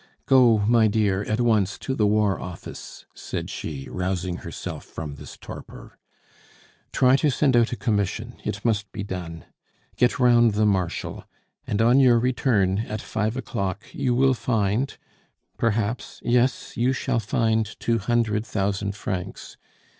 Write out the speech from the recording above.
"Go, my dear, at once to the War Office," said she, rousing herself from this torpor; "try to send out a commission; it must be done. Get round the Marshal. And on your return, at five o'clock, you will find perhaps yes! you shall find two hundred thousand francs.